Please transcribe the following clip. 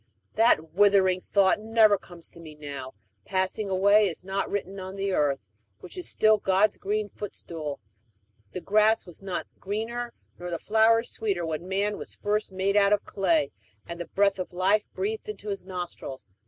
"That withering thought never comes to me now. 'Passing away' is not written on the earth, which is still God's green footstool; the grass was not greener nor the flowers sweeter when man was first made out of clay, and the breath of life breathed into his nostrils.